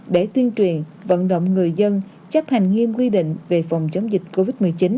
để tuyên truyền vận động người dân chấp hành nghiêm quy định về phòng chống dịch covid một mươi chín